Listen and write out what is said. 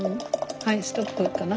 はいストップかな。